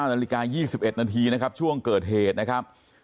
นาฬิกา๒๑นาทีนะครับช่วงเกิดเหตุนะครับ